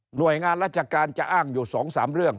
หน่วยงานราชการจะอ้างอยู่๒๓เรื่อง